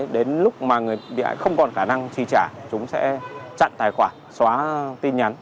đến lúc mà người bị hại không còn khả năng trì trả chúng sẽ chặn tài khoản xóa tin nhắn